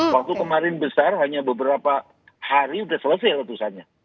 waktu kemarin besar hanya beberapa hari sudah selesai letusannya